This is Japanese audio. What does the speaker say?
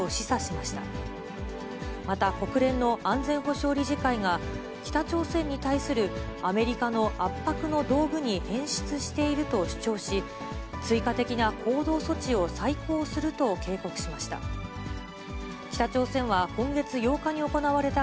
また、国連の安全保障理事会が、北朝鮮に対するアメリカの圧迫の道具に変質していると主張し、追加的な行動措置を再考すると警告しました。